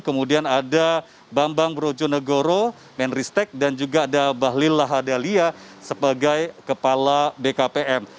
kemudian ada bambang brojonegoro menristek dan juga ada bahlil lahadalia sebagai kepala bkpm